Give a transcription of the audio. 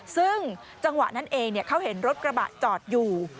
ซึ่งจังหวะนั้นเองเขาเห็นรถกระบะจอดอยู่